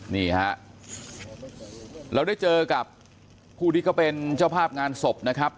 นี่ฮะเราได้เจอกับผู้ที่เขาเป็นเจ้าภาพงานศพนะครับ